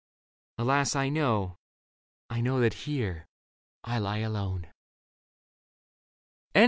Alas, I know, I know that here I lie alone.